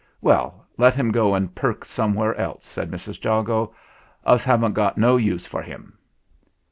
"Well, let him go and perk somewhere else," said Mrs. Jago. "Us haven't got no use for him."